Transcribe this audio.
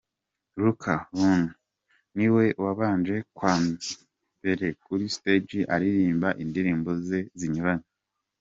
Luc Buntu ni we wabanje kwa mbere kuri stage aririmba indirimbo ze zinyuranye.